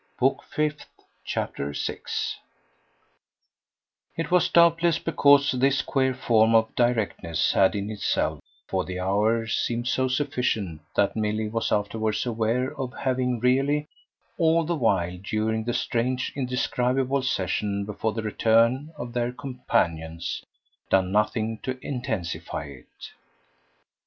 Book Fifth, Chapter 6 It was doubtless because this queer form of directness had in itself, for the hour, seemed so sufficient that Milly was afterwards aware of having really, all the while during the strange indescribable session before the return of their companions done nothing to intensify it.